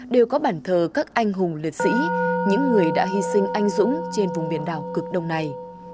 đều có bản thờ các anh hùng liệt sĩ những người đã hy sinh anh dũng trên vùng biển đảo cực đông này